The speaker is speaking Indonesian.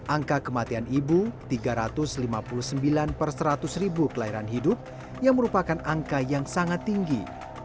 angka kematian ibu tiga ratus lima puluh sembilan per seratus ribu kelahiran hidup yang merupakan angka yang sangat tinggi